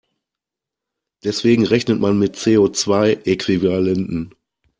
Deswegen rechnet man mit CO-zwei-Äquivalenten.